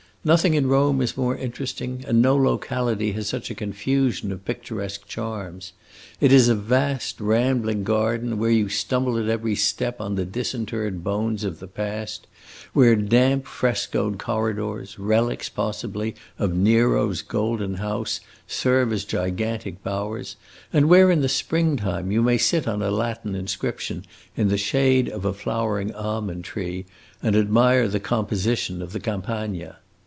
Nothing in Rome is more interesting, and no locality has such a confusion of picturesque charms. It is a vast, rambling garden, where you stumble at every step on the disinterred bones of the past; where damp, frescoed corridors, relics, possibly, of Nero's Golden House, serve as gigantic bowers, and where, in the springtime, you may sit on a Latin inscription, in the shade of a flowering almond tree, and admire the composition of the Campagna.